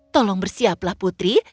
tolong bersiaplah putri